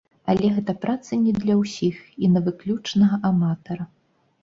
Але гэта праца не для ўсіх і на выключнага аматара.